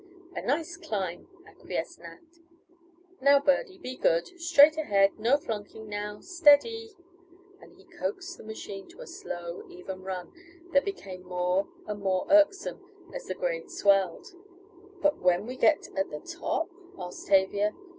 "A nice climb," acquiesced Nat. "Now, Birdy, be good. Straight ahead. No flunking now steady," and he "coaxed" the machine into a slow, even run, that became more and more irksome as the grade swelled. "But when we get at the top?" asked Tavia.